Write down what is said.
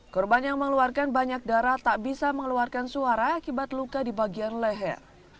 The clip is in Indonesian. korban yang mengeluarkan banyak darah tak bisa mengeluarkan suara akibat luka di bagian leher